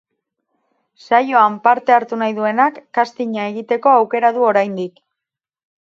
Saioan parte hartu nahi duenak castinga egiteko aukera du oraindik.